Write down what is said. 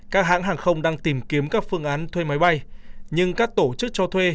các hãng hàng không đang tìm kiếm các phương án thuê máy bay nhưng các tổ chức cho thuê